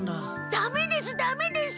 ダメですダメです！ん？